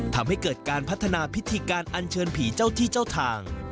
ทำให้เกิดการพัฒนาพิธีการอันเชิญผีเจ้าที่เจ้าทาง